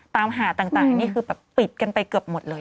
ตามหาต่างนี่คือแบบปิดกันไปเกือบหมดเลย